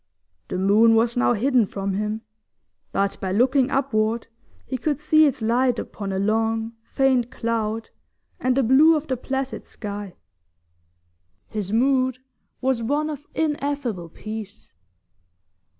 The moon was now hidden from him, but by looking upward he could see its light upon a long, faint cloud, and the blue of the placid sky. His mood was one of ineffable peace.